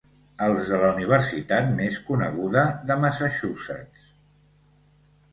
Els de la universitat més coneguda de Massachussetts.